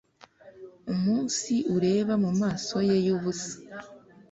Umunsi ureba mumaso ye yubusa